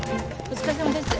お疲れさまです。